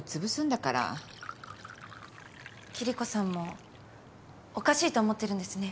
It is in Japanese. キリコさんもおかしいと思ってるんですね。